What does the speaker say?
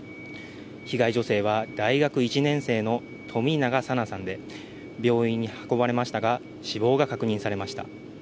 被害女性は大学１年生の冨永紗菜さんで病院に運ばれましたが、死亡が確認されました。